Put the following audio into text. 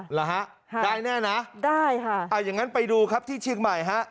เหรอฮะได้แน่นะได้ค่ะอ่าอย่างนั้นไปดูครับที่เชียงใหม่ฮะ